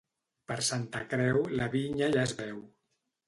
Per Santa Creu la vinya ja es veu.